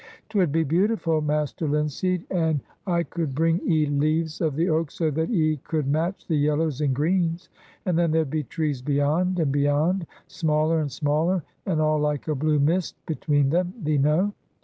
'Twould be beautiful, Master Linseed, and I could bring 'ee leaves of the oak so that 'ee could match the yellows and greens. And then there'd be trees beyond and beyond, smaller and smaller, and all like a blue mist between them, thee know.